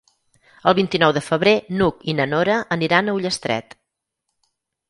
El vint-i-nou de febrer n'Hug i na Nora aniran a Ullastret.